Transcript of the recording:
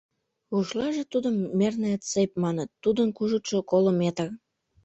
Рушлаже тудым «мерная цепь» маныт, тудын кужытшо коло метр.